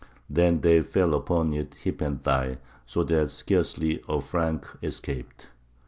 Then they fell upon it hip and thigh, so that scarcely a Frank escaped.